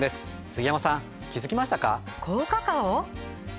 杉山さん気づきましたか？